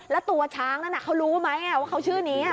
แล้วตัวช้างนั้นเขารู้ไหมว่าเขาชื่อนี้